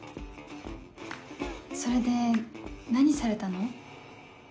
それで何されたの？